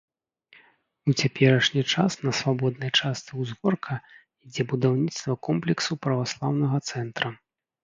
У цяперашні час на свабоднай частцы ўзгорка ідзе будаўніцтва комплексу праваслаўнага цэнтра.